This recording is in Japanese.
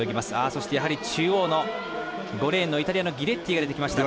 そしてやはり中央の５レーンのイタリアのギレッティが出てきました。